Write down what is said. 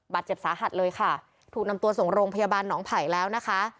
บาดเจ็บสาหัสเลยค่ะถูกนำตัวส่งโรงพยาบาลหนองไผ่แล้วนะคะ